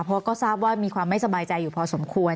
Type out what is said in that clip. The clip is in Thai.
เพราะก็ทราบว่ามีความไม่สบายใจอยู่พอสมควร